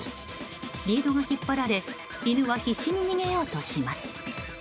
リードが引っ張られ犬は必死に逃げようとします。